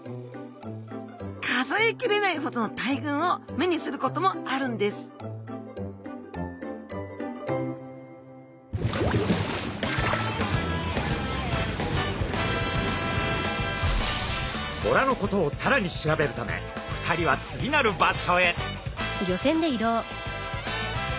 数え切れないほどの大群を目にすることもあるんですボラのことをさらに調べるため２人は次なる場所へ！